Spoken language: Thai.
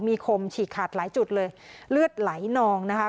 มีคมฉีกขาดหลายจุดเลยเลือดไหลนองนะคะ